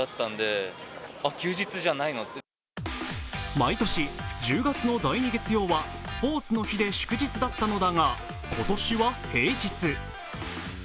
毎年１０月の第２月曜日はスポーツの日で祝日だったのだが、今年は平日。